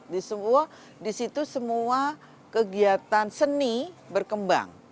di semua di situ semua kegiatan seni berkembang